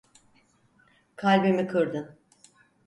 Kalbimi kırdın.